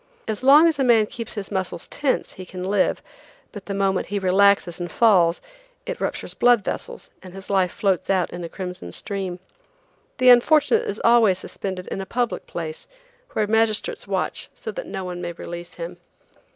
As long as a man keeps his muscles tense he can live, but the moment he relaxes and falls, it ruptures blood vessels and his life floats out on a crimson stream. The unfortunate is always suspended in a public place, where magistrates watch so that no one may release him.